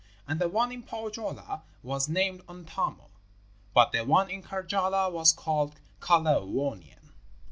And the one in Pohjola was named Untamo, but the one in Karjala was called Kalerwoinen.